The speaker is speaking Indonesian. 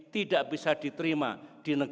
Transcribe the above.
tidak bisa diterima di negara kita sendiri